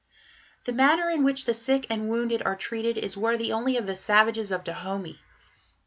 The manner in which the sick and wounded are treated is worthy only of the savages of Dahomey....